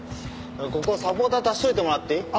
ここサポーター足しておいてもらっていい？